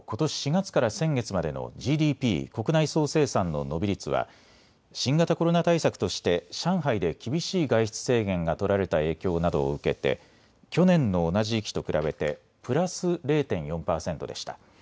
４月から先月までのＧＤＰ・国内総生産の伸び率は新型コロナ対策として上海で厳しい外出制限が取られた影響などを受けて去年の同じ時期と比べてプラス０．４％でした。